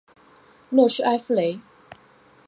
洛屈埃夫雷。